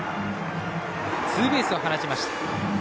ツーベースを放ちました。